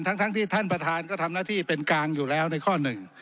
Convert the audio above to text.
ทั้งทั้งที่ท่านประธานก็ทำหน้าที่เป็นกลางอยู่แล้วในข้อหนึ่ง